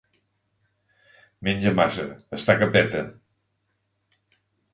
Menja massa; està que peta.